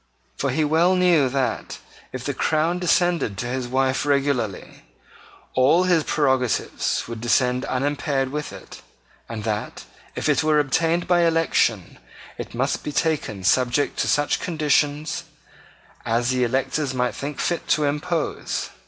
For he well knew that, if the crown descended to his wife regularly, all its prerogatives would descend unimpaired with it, and that, if it were obtained by election, it must be taken subject to such conditions as the electors might think fit to impose.